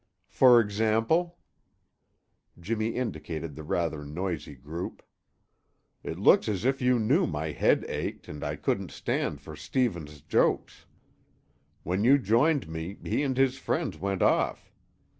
"For example?" Jimmy indicated the rather noisy group. "It looks as if you knew my head ached and I couldn't stand for Stevens' jokes. When you joined me he and his friends went off.